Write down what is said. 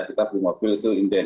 kita beli mobil itu inden